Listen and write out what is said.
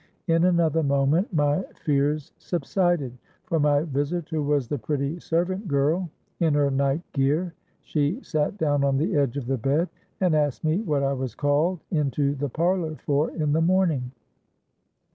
In another moment my fears subsided; for my visitor was the pretty servant girl in her night gear. She sate down on the edge of the bed, and asked me what I was called into the parlour for in the morning.